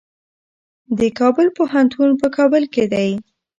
د کابل پوهنتون په کابل کې دی